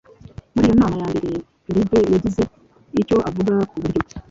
Muri iyo nama ya mbere, Libby yagize icyo avuga ku buryo,